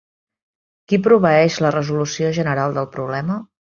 Què proveeix la resolució general del problema?